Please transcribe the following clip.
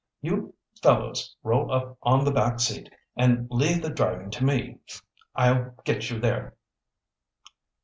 You fellows roll up on the back seat and leave the driving to me. I'll get you there."